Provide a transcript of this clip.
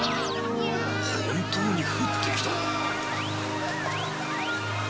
本当に降ってきた。